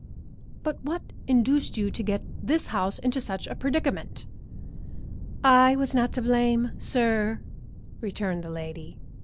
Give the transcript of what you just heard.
"But what induced you to get this house into such a predicament?" "I was not to blame, sir," returned the lady.